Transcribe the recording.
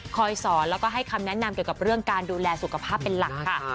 สอนแล้วก็ให้คำแนะนำเกี่ยวกับเรื่องการดูแลสุขภาพเป็นหลักค่ะ